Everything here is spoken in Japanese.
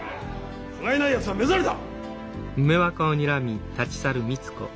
ふがいないやつは目障りだ！